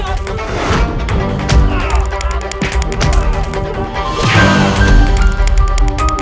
apak apa yang terjadi